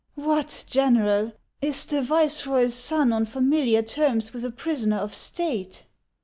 " What, General ! Is the viceroy's son on familiar terms with a prisoner of state